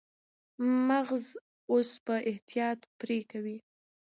مغز اوس په احتیاط پرې کېږي.